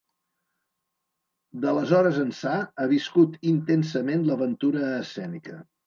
D'aleshores ençà, ha viscut intensament l'aventura escènica.